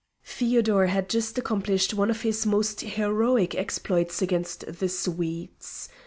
Feodor had just accomplished one of his most heroic exploits against the Swedes.